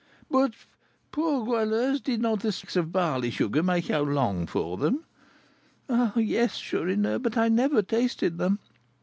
"But, poor Goualeuse, did not the sticks of barley sugar make you long for them?" "Ah, yes, Chourineur; but I never tasted them.